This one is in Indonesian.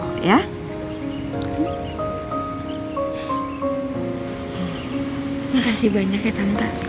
makasih banyak ya tante